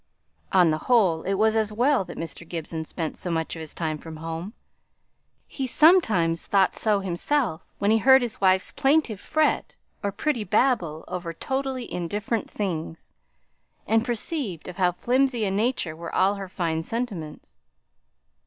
On the whole, it was as well that Mr. Gibson spent so much of his time from home. He sometimes thought so himself when he heard his wife's plaintive fret or pretty babble over totally indifferent things, and perceived of how flimsy a nature were all her fine sentiments.